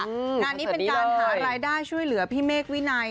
งานนี้เป็นการหารายได้ช่วยเหลือพี่เมฆวินัย